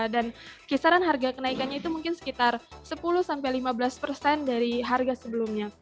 dan kisaran harga kenaikannya itu mungkin sekitar sepuluh sampai lima belas persen dari harga sebelumnya